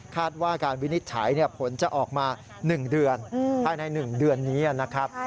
ว่าการวินิจฉัยผลจะออกมา๑เดือนภายใน๑เดือนนี้นะครับ